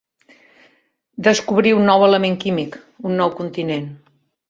Descobrir un nou element químic, un nou continent.